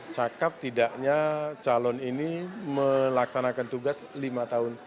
cakap tidaknya calon ini melaksanakan tugas lima tahun